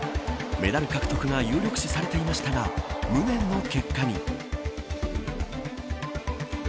メダル獲得が有力視されていましたが無念の結果に。